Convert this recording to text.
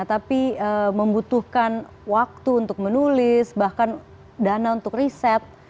tapi membutuhkan waktu untuk menulis bahkan dana untuk riset